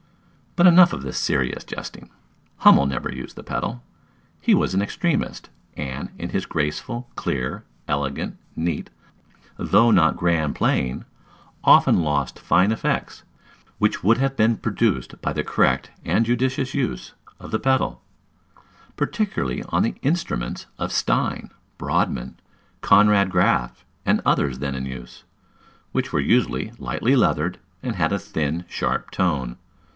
But enough of this serious jesting. Hummel never used the pedal. He was an extremist; and, in his graceful, clear, elegant, neat, though not grand playing, often lost fine effects, which would have been produced by the correct and judicious use of the pedal; particularly on the instruments of Stein, Brodmann, Conrad Graff, and others then in use, which were usually lightly leathered, and had a thin, sharp tone.